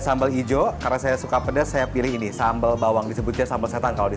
sambal hijau karena saya suka pedas saya pilih ini sambal bawang disebutnya sambal setan kalau di